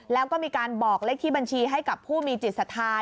แล้วก็มีการบอกเลขที่บัญชีให้กับผู้มีจิตศรัทธา